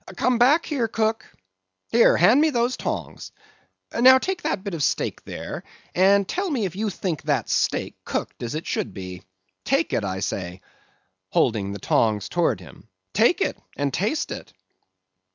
"Come back, cook;—here, hand me those tongs;—now take that bit of steak there, and tell me if you think that steak cooked as it should be? Take it, I say"—holding the tongs towards him—"take it, and taste it."